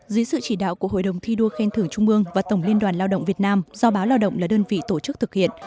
dưới sự chỉ đạo của hội đồng thi đua khen thưởng trung ương và tổng liên đoàn lao động việt nam do báo lao động là đơn vị tổ chức thực hiện